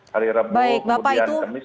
hari rebu kemudian kemis